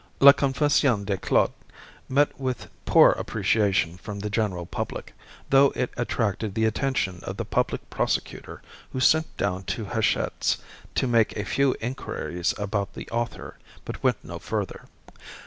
"La Confession de Claude" met with poor appreciation from the general public, although it attracted the attention of the Public Prosecutor, who sent down to Hachette's to make a few inquiries about the author, but went no further.